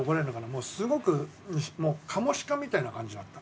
もうすごくカモシカみたいな感じだった。